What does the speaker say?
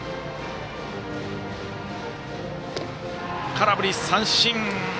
空振り三振！